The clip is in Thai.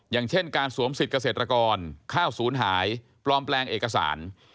อย่างเช่นการสวมสิทธิ์เกษตรกรข้าวศูนย์หายปลอมแปลงเอกสาร